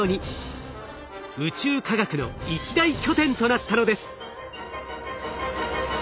宇宙科学の一大拠点となったのです。